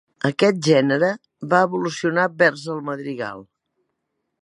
Aquest gènere va evolucionar vers el madrigal.